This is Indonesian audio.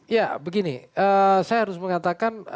ya begini saya harus mengatakan